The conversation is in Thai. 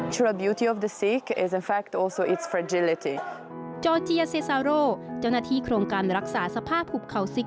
สำเร็จต่อสิ่งเดียวสิ่งครองการรักษาสภาพภูมิเขาสิ๊ก